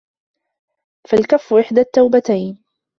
فَالْكَفُّ إحْدَى التَّوْبَتَيْنِ